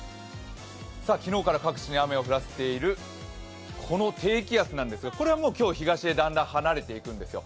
昨日から各地に雨を降らせているこの低気圧なんですがこれはもう今日、東へだんだん離れていくんですよ。